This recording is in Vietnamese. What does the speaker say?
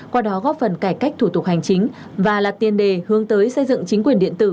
qua đó góp phần cải cách thủ tục hành chính và là tiền đề hướng tới xây dựng chính quyền điện tử